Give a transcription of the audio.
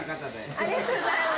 ありがとうございます。